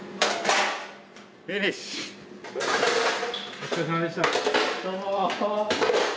お疲れさまでした。